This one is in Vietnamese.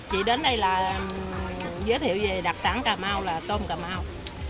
chị đến đây là giới thiệu về đặc sản cà mau là tôm cà mau